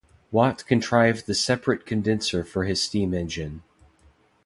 Watt contrived the separate condenser for his steam-engine.